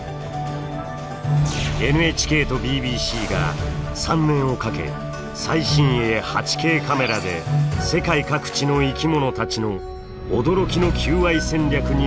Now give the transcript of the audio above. ＮＨＫとＢＢＣが３年をかけ最新鋭８Ｋカメラで世界各地の生きものたちの驚きの求愛戦略に迫りました。